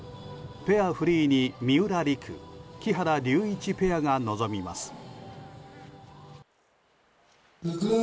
ペアフリーに三浦璃来木原龍一ペアが臨みます。